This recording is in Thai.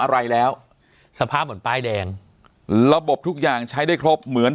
อะไรแล้วสภาพเหมือนป้ายแดงระบบทุกอย่างใช้ได้ครบเหมือน